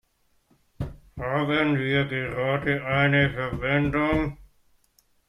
Haben wir gerade eine Verbindung?